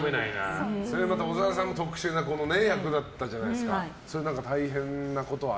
小沢さんも特殊な役だったじゃないですか。